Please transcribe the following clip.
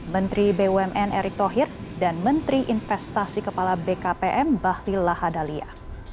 menteri bumn erick thohir dan menteri investasi kepala bkpm bahlil lahadalia